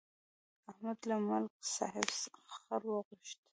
احمد له ملک صاحب خر وغوښت.